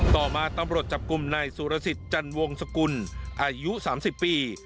ต่อมาตำรวจจับกลุ่มในสุรสิทธิ์จันทร์วงศ์สกุลอายุสามสิบปี